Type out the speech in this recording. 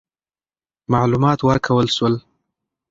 معلومات ورکول سول.